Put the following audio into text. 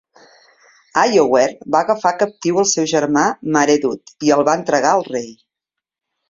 Iorwerth va agafar captiu al seu altre germà, Maredudd, i el va entregar al rei.